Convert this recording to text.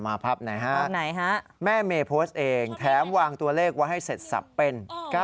มาพับหน่อยฮะแม่เมย์โพสต์เองแถมวางตัวเลขว่าให้เสร็จศัพท์เป็น๙๑